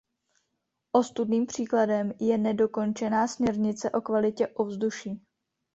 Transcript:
Ostudným příkladem je nedokončená směrnice o kvalitě ovzduší.